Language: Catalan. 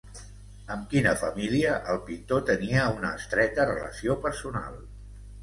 Amb quina família el pintor tenia una estreta relació personal?